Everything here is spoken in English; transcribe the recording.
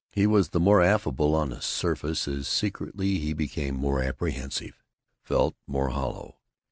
He was the more affable on the surface as secretly he became more apprehensive, felt more hollow.